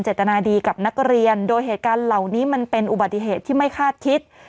จตนาดีกับนักเรียนโดยเหตุการณ์เหล่านี้มันเป็นอุบัติเหตุที่ไม่คาดคิด